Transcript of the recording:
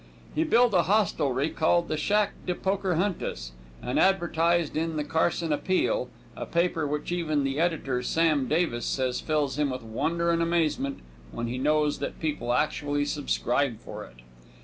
He built a hostelry called the Shack de Poker Huntus, and advertised in the Carson Appeal, a paper which even the editor, Sam Davis, says fills him with wonder and amazement when he knows that people actually subscribe for it.